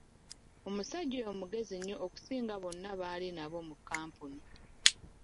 Omusajja oyo mugezi nnyo okusinga bonna baali nabo mu kkampuni.